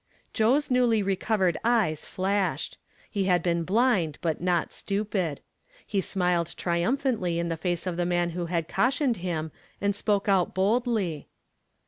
Joe's newly recovered eyes flashed. lie had been blind, but not stupid. He smiled trium phantly in the face of the man who had cautioned him and spoke out boldly.